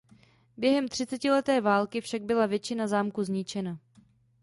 Během třicetileté války však byla většina zámku zničena.